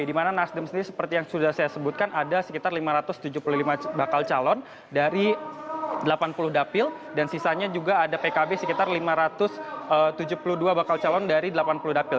di mana nasdem sendiri seperti yang sudah saya sebutkan ada sekitar lima ratus tujuh puluh lima bakal calon dari delapan puluh dapil dan sisanya juga ada pkb sekitar lima ratus tujuh puluh dua bakal calon dari delapan puluh dapil